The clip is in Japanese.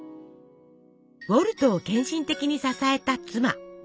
ウォルトを献身的に支えた妻リリアン。